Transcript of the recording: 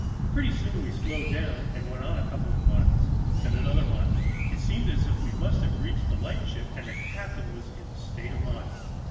Pretty soon we slowed down, and went on a couple of miles, then another mile. It seemed as if we must have reached the light ship, and the captain was in a state of mind.